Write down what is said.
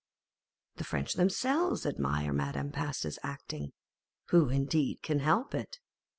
The French themselves admire Madame Pasta's acting, (who indeed can help it?)